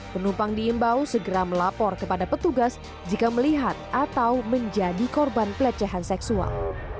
penumpang diimbau segera melapor kepada petugas jika melihat atau menjadi korban pelecehan seksual